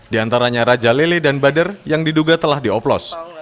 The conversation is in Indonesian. diantaranya raja lele dan bader yang diduga telah dioplos